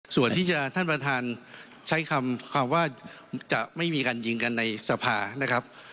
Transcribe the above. ส่วนที่จะท่านประธานใช้คำว่าจะไม่มีการยิงกันในสภานะครับ